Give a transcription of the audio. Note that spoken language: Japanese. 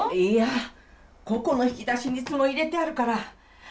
いやここの引き出しにいつも入れてあるから。